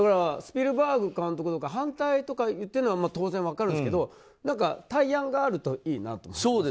スピルバーグ監督とか反対とか言ってるのは当然分かるんですけど対案があるといいなと。